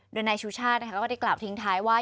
โดยนายชูชาติก็ได้กล่าวทิ้งท้ายว่า